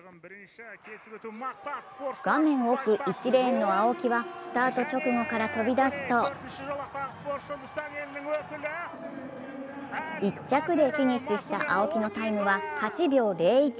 画面奥、１レーンの青木はスタート直後から飛び出すと１着でフィニッシュした青木のタイムは８秒０１。